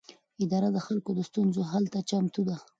اداره د خلکو د ستونزو حل ته چمتو ده.